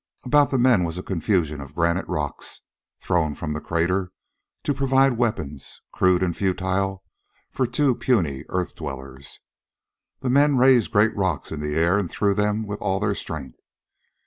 About the men was a confusion of granite rocks, thrown from the crater to provide weapons, crude and futile, for two puny earth dwellers. The men raised great rocks in the air and threw them with all their strength.